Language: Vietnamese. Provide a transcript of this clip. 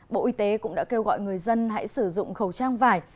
bộ y tế cũng đã kêu gọi người dân hãy sử dụng khẩu trang vải